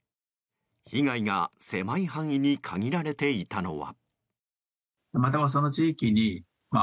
被害が狭い範囲に限られていたのは。